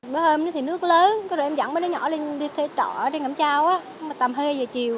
mới hôm thì nước lớn rồi em dẫn mấy đứa nhỏ lên đi thuê trọ đi ngắm trao tầm hơi giờ chiều